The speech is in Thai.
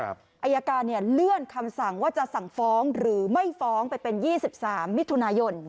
อายการเลื่อนคำสั่งว่าจะสั่งฟ้องหรือไม่ฟ้องไปเป็น๒๓มิถุนายน